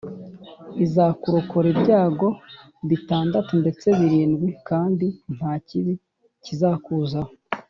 izakurokora ibyago bitandatu ndetse birindwi, kandi nta kibi kizakuzaho